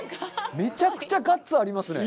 めちゃくちゃガッツありますね！